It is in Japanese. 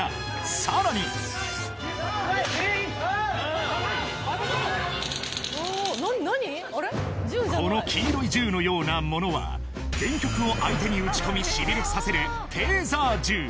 さらにこの黄色い銃のようなものは電極を相手に撃ち込みしびれさせる